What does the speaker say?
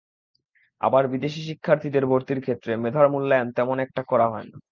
আবার বিদেশি শিক্ষার্থীদের ভর্তির ক্ষেত্রে মেধার মূল্যায়ন তেমন একটা করা হয় না।